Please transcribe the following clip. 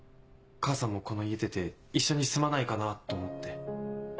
母さんもこの家出て一緒に住まないかなと思って。